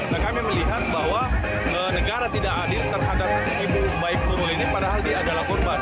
dan kami melihat bahwa negara tidak adil terhadap ibu baik nuril ini padahal dia adalah korban